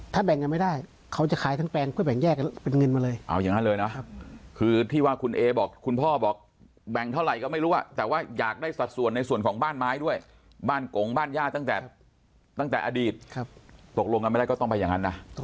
ตกลงไม่ได้ก็ต้องขายขายแล้วแบ่งเป็นเงินเรา